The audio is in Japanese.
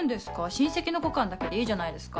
「親戚の子感」だけでいいじゃないですか。